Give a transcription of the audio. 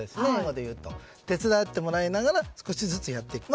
手伝ってもらいながら少しずつやっていく。